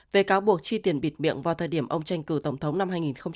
về cáo buộc chi tiền bịt miệng vào thời điểm ông tranh cử tổng thống năm hai nghìn một mươi chín